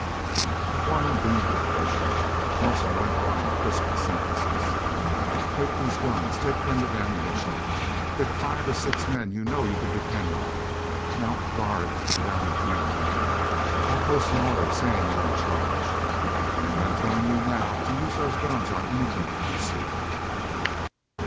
The foreman beamed with pleasure: Rawson went on in crisp sentences: "Take these guns. Take plenty of ammunition. Pick five or six men you know you can depend on. Mount guard around this camp to night. I'll post an order saying you're in charge—and I'm telling you now to use those guns on anything you see.